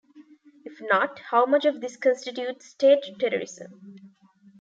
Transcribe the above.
If not, how much of this constitutes 'state terrorism'?